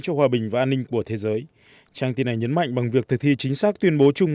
cho hòa bình và an ninh của thế giới trang tin này nhấn mạnh bằng việc thực thi chính xác tuyên bố chung